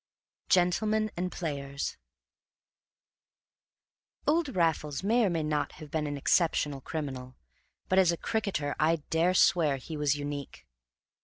GENTLEMEN AND PLAYERS Old Raffles may or may not have been an exceptional criminal, but as a cricketer I dare swear he was unique.